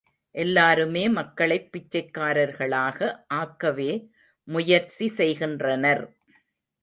எல்லாருமே மக்களைப் பிச்சைக்காரர்களாக ஆக்கவே முயற்சி செய்கின்றனர்.